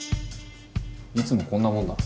いつもこんなもんだろ。